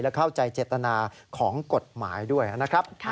เข้าใจเจตนาของกฎหมายด้วยนะครับ